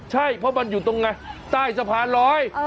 ใช่เพราะมันอยู่ตรงไงใต้สะพานลอย